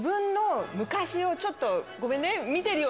ちょっとごめんね。